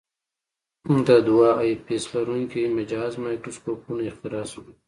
د دوه آی پیس لرونکي مجهز مایکروسکوپونه اختراع شول.